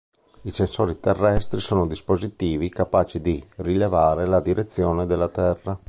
I sensori terrestri sono dispositivi capaci di rilevare la direzione della Terra.